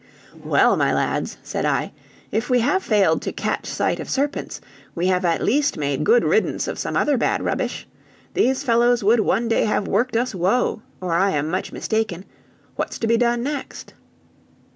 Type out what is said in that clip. "Well, my lads," said I, "if we have failed to catch sight of serpents, we have at least made good riddance of some other bad rubbish! These fellows would one day have worked us woe, or I am much mistaken. What's to be done next?"